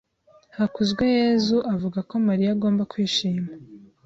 Hakuzweyezu avuga ko Mariya agomba kwishima.